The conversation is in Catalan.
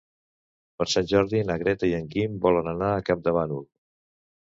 Per Sant Jordi na Greta i en Guim volen anar a Campdevànol.